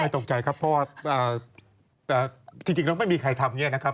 ตกใจครับเพราะว่าจริงแล้วไม่มีใครทำอย่างนี้นะครับ